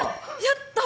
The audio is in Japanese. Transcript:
やった！